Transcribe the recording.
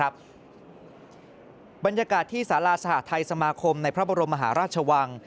บรรยากาศที่สาราสหทัยสมาคมในพระบรมมหาราชวัง